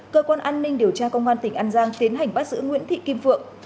cơ quan an ninh điều tra công an tỉnh an giang tiến hành bắt giữ nguyễn thị kim phượng